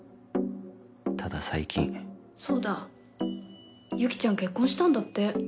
ただ最近そうだユキちゃん結婚したんだって。